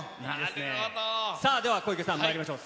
さあでは小池さん、まいりましょう。